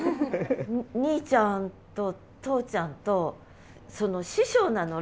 兄ちゃんと父ちゃんとその師匠なの？